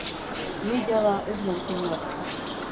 Ni jada ez naiz inor.